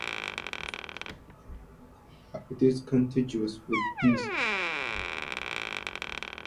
It is contiguous with Deeside.